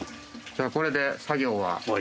じゃあこれで作業は。